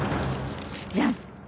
じゃん！